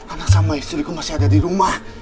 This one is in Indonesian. anak sama istriku masih ada di rumah